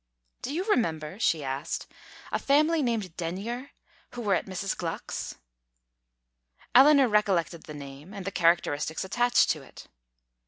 "Do you remember," she asked, "a family named Denyer, who were at Mrs. Gluck's?" Eleanor recollected the name, and the characteristics attached to it.